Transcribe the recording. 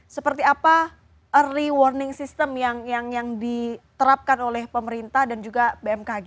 seperti apa early warning system yang diterapkan oleh pemerintah dan juga bmkg